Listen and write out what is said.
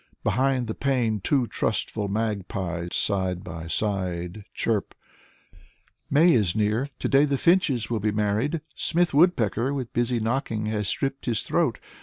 Behind the pane two trustful magpies, side by side, Chirp: " May is near, today the finches will be married. Smith Woodpecker with busy knocking has stripped his throat.